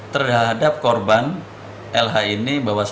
terhadap korban lh ini